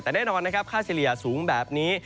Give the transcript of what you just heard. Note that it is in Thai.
แต่แนวโน้มค่าเฉลี่ยสูงแบบนี้